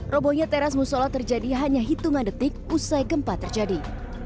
robonya teras musola terjadi hanya hitungan detik usai gempa terjadi